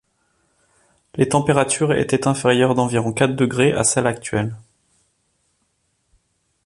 Les températures étaient inférieures d'environ quatre degrés à celles actuelles.